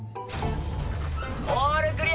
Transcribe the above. オールクリア。